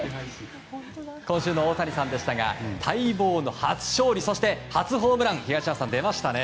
今週のオオタニさんでしたが待望の初勝利そして初ホームラン東山さん、出ましたね。